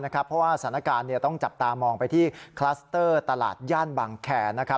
เพราะว่าสถานการณ์ต้องจับตามองไปที่คลัสเตอร์ตลาดย่านบางแคร์